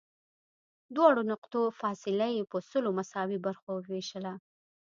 دواړو نقطو فاصله یې په سلو مساوي برخو ووېشله.